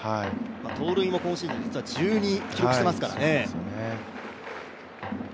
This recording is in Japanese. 盗塁も今シーズン、実は１２記録していますからね。